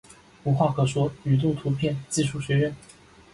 无话可说语录图片技术学院